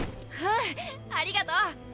うんありがとう。